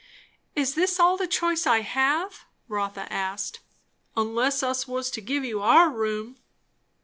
"Is this all the choice I have?" Rotha asked. "Unless us was to give you our room."